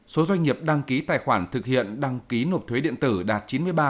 số doanh nghiệp đăng ký tài khoản thực hiện đăng ký nộp thuế điện tử đạt chín mươi ba năm mươi hai